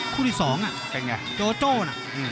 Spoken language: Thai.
คู่ที่สองโจโจน่ะ